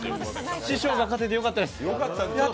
師匠が勝ててよかったです。